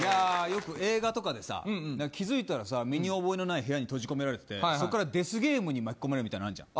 よく映画とかでさ気づいたらさ、身に覚えのない部屋に閉じ込められててそっからデスゲームに巻き込まれるみたいなのあるじゃん。